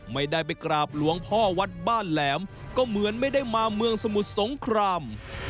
ไม่ได้ไปกราบหลวงพ่อวัดบ้านแหลมก็เหมือนไม่ได้มาเมืองสมุทรสงคราม